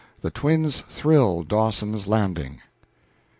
The Twins Thrill Dawson's Landing.